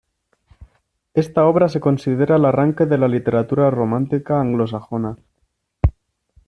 Esta obra se considera el arranque de la literatura romántica anglosajona.